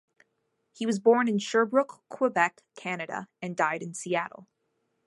He was born in Sherbrooke, Quebec, Canada and died in Seattle.